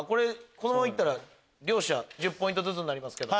このままいったら両者１０ポイントずつになりますけど。